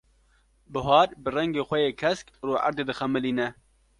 Buhar bi rengê xwe yê kesk, rûerdê dixemilîne.